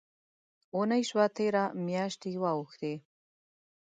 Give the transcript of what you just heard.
اوونۍ شوه تېره، میاشتي واوښتې